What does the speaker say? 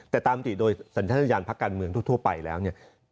แต่ตามติโดยสัญชาติยานพักการเมืองทั่วไปแล้วเนี่ย